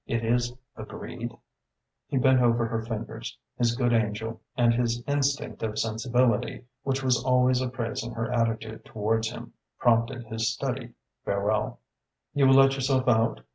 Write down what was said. It is agreed?" He bent over her fingers. His good angel and his instinct of sensibility, which was always appraising her attitude towards him, prompted his studied farewell. "You will let yourself out?"